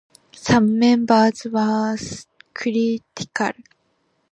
Some members were critical.